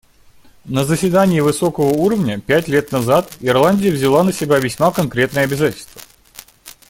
На заседании высокого уровня пять лет назад Ирландия взяла на себя весьма конкретное обязательство.